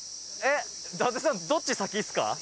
宮田：伊達さんどっち先ですか？